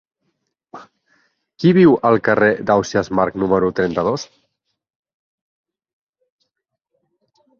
Qui viu al carrer d'Ausiàs Marc número trenta-dos?